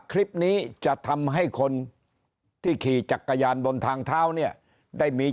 คลิปนี้จะทำให้คนที่ขี่จักรยานบนทางเท้าเนี่ยได้มี